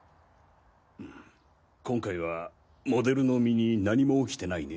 今回はモデルの身に何も起きてないね？